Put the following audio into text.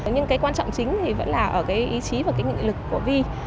nhưng cái quan trọng chính thì vẫn là ở cái ý chí và cái nghị lực của vi